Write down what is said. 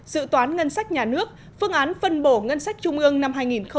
dự toán ngân sách nhà nước phương án phân bổ ngân sách trung ương năm hai nghìn hai mươi